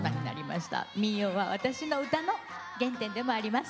民謡は私の歌の原点でもあります。